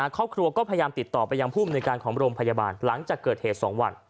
ครอบครัวก็พยายามติดต่อไปยังภูมิในการของโรงพยาบาลหลังจากเกิดเหตุ๒วัน